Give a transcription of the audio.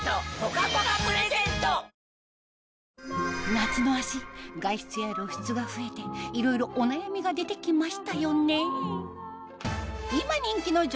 夏の脚外出や露出が増えていろいろお悩みが出てきましたよね？